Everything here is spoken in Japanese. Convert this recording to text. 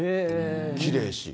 きれいし。